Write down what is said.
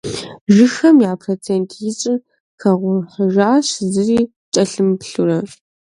Жыгхэм я процент ищӏыр хэгъухьыжащ зыри кӀэлъымыплъурэ.